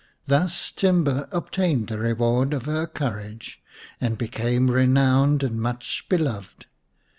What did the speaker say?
Thus Timba obtained the reward of her courage, and became renowned and much beloved.